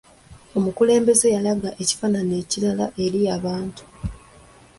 Omukulembeze yalaga ekifaananyi kirala eri abantu.